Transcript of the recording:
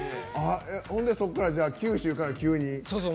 そこから九州から急に。